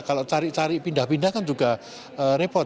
kalau cari cari pindah pindah kan juga repot